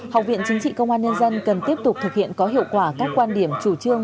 học viện chính trị công an nhân dân cần tiếp tục thực hiện có hiệu quả các quan điểm chủ trương